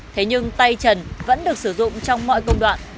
thế nhưng tay trần vẫn được sử dụng trong mọi công đoạn